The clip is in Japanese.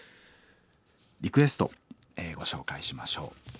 リクエストご紹介しましょう。